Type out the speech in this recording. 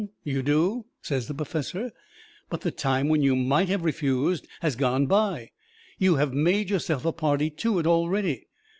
"Huh? You do?" says the perfessor. "But the time when you might have refused has gone by. You have made yourself a party to it already.